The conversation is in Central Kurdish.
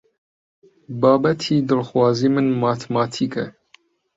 بابەتی دڵخوازی من ماتماتیکە.